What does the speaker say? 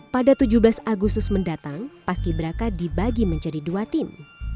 pada tujuh belas agustus mendatang paski beraka dibagi menjadi dua tim